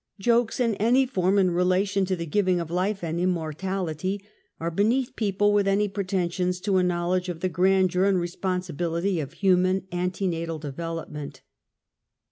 Jokes in any form in re lation to the giving of life and immortality, are be neath people with any pretensions to a knowledge of the grandeur and responsibilit}^ of human antenatal development.